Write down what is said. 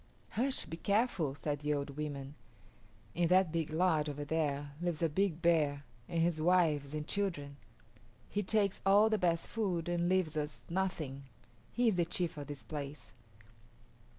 "Hush; be careful," said the old women. "In that big lodge over there lives a big bear and his wives and children. He takes all the best food and leaves us nothing. He is the chief of this place."